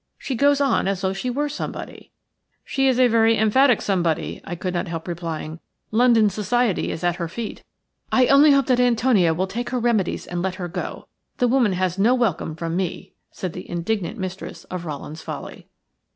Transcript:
She goes on as though she were somebody." "She is a very emphatic somebody," I could not help replying. "London Society is at her feet." "I only hope that Antonia will take her remedies and let her go. The woman has no welcome from me," said the indignant mistress of Rowland's Folly.